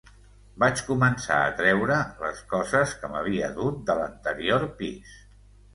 Vaig començar a traure les coses que m'havia dut de l'anterior pis.